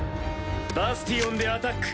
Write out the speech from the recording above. バスティオンでアタック。